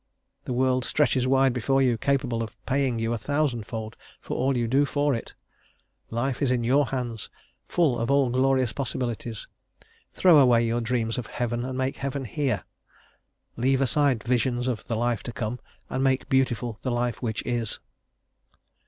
The world stretches wide before you, capable of paying you a thousandfold for all you do for it. Life is in your hands, full of all glorious possibilities; throw away your dreams of heaven, and make heaven here; leave aside visions of the life to come, and make beautiful the life which is."